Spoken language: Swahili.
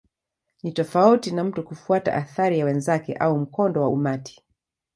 Ni tofauti na mtu kufuata athari ya wenzake au mkondo wa umati.